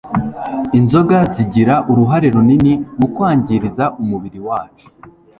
Inzoga zigira uruhare runini mu kwangiriza umubiri wacu